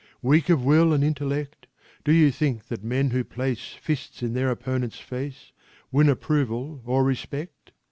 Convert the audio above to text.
Weak of will and intellect Do you think that men who place Fists in their opponent's face Win approval or respect?